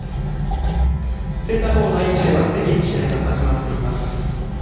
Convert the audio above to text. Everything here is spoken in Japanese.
センターコート第２試合はすでに試合が始まっています。